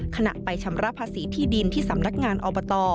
ขณะไปชำระภาษีที่ดินที่สำนักงานอบต